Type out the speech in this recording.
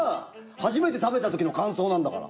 初めて食べた時の感想なんだから。